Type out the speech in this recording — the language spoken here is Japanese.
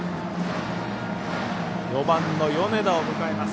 ４番の米田を迎えます。